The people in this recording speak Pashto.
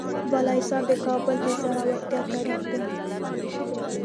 بالاحصار د کابل د زړورتیا تاریخ ده.